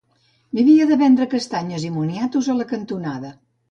Vivia de vendre castanyes i moniatos a la cantonada.